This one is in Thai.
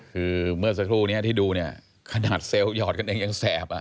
คือเมื่อสักครู่นี้ที่ดูเนี่ยขนาดเซลล์หยอดกันเองยังแสบ